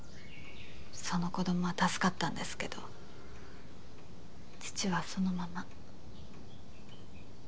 その子どもは助かったんですけど父はそのまま。